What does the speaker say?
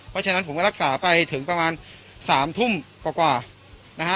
เพราะฉะนั้นผมก็รักษาไปถึงประมาณ๓ทุ่มกว่านะฮะ